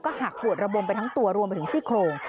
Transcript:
หักปวดระบมไปทั้งตัวรวมไปถึงซี่โครง